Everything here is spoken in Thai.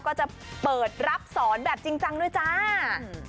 ก็จะเปิดรับสอนแบบจริงจังด้วยจ้า